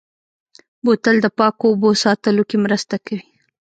بوتل د پاکو اوبو ساتلو کې مرسته کوي.